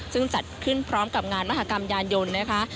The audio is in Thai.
ซึ่งจัดขึ้นพร้อมกับงานมหากรรมยานยนต์นะคะ